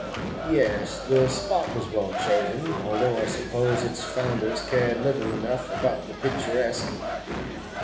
"Yes, the spot was well chosen, although I suppose its founders cared little enough about the picturesque."